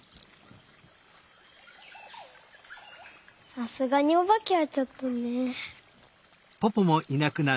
さすがにおばけはちょっとね。